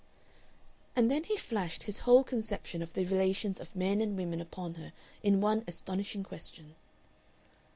And then he flashed his whole conception of the relations of men and women upon her in one astonishing question.